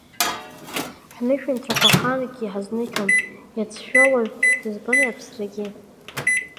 Ҳнышәынҭрақәа ахаангьы иҳазныжьуам, иацәшәо уаҩ дызбомеи аԥсрагьы.